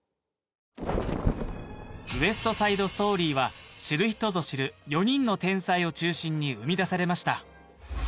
「ウエスト・サイド・ストーリー」は知る人ぞ知る４人の天才を中心に生みだされました